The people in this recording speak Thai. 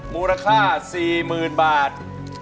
มูลค่า๔๐๐๐บาท